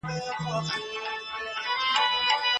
د مسلي د ښه وضاحت لپاره تحقیق په کار دی.